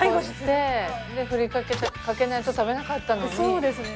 そうですね。